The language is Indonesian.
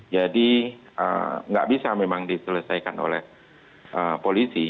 jadi nggak bisa memang diselesaikan oleh polisi